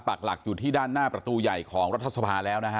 ปรากษ์หลักอยู่ที่ด้านหน้าประตูใหญ่ของรัฐศพาลัยแล้ว